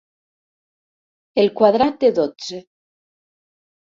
El quadrat de dotze.